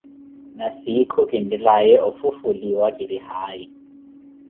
Na siikhu kinttelaaya ofufuliwa ki ri haayi.